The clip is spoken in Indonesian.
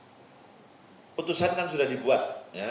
keputusan kan sudah dibuat